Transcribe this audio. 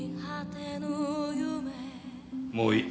もういい。